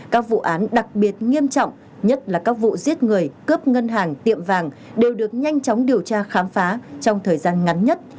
các vụ án đặc biệt nghiêm trọng nhất là các vụ giết người cướp ngân hàng tiệm vàng đều được nhanh chóng điều tra khám phá trong thời gian ngắn nhất